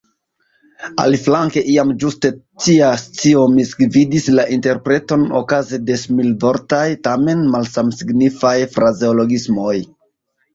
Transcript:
Aliflanke, iam ĝuste tia scio misgvidis la interpreton okaze de similvortaj, tamen malsamsignifaj, frazeologismoj.